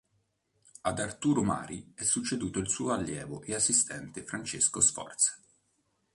Ad Arturo Mari è succeduto il suo allievo e assistente Francesco Sforza.